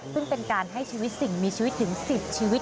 ซึ่งเป็นการให้ชีวิตสิ่งมีชีวิตถึง๑๐ชีวิต